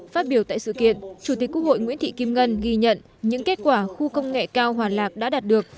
phát biểu tại sự kiện chủ tịch quốc hội nguyễn thị kim ngân ghi nhận những kết quả khu công nghệ cao hòa lạc đã đạt được